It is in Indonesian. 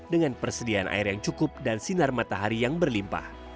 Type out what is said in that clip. dengan persediaan air yang cukup dan sinar matahari yang berlimpah